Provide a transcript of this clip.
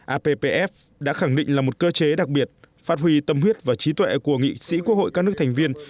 appf đã khẳng định là một cơ chế đặc biệt phát huy tâm huyết và trí tuệ của nghị sĩ quốc hội các nước thành viên